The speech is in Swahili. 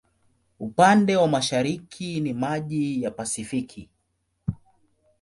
Upande wa mashariki ni maji ya Pasifiki.